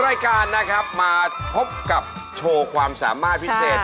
รายการนะครับมาพบกับโชว์ความสามารถพิเศษ